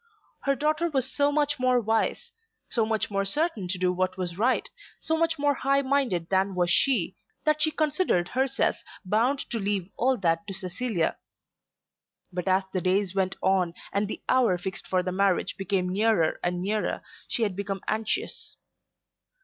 Her daughter was so much more wise, so much more certain to do what was right, so much more high minded than was she, that she considered herself bound to leave all that to Cecilia. But as the days went on and the hour fixed for the marriage became nearer and nearer she had become anxious.